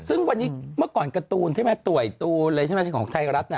ซึ่งเมื่อก่อนการ์ตูนต่วยตูนเลยใช่ไหมของไทรัฐ